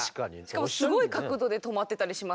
しかもすごい角度で止まってたりしますからね。